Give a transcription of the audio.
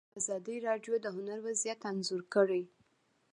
ازادي راډیو د هنر وضعیت انځور کړی.